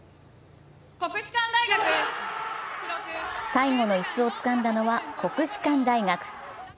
最後の椅子をつかんだのは国士館大学。